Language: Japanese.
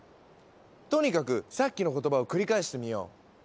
とにかくさっきの言葉を繰り返してみよう。